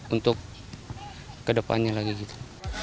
untuk kedepannya lagi gitu